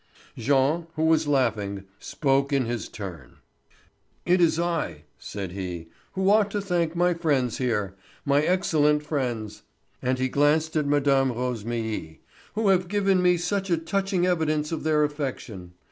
Jean, who was laughing, spoke in his turn: "It is I," said he, "who ought to thank my friends here, my excellent friends," and he glanced at Mme. Rosémilly, "who have given me such a touching evidence of their affection.